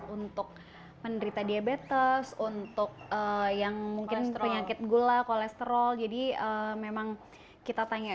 untuk penderita diabetes untuk yang mungkin penyakit gula kolesterol jadi memang kita tanya